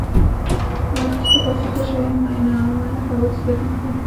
د مایکروسکوپ په واسطه د شیانو معاینه کول صورت نیسي.